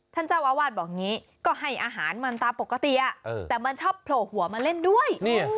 ท่านเจ้าอาวาสบอกอย่างนี้ก็ให้อาหารมันตามปกติแต่มันชอบโผล่หัวมาเล่นด้วย